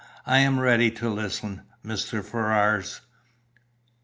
I am ready to listen, Mr. Ferrars."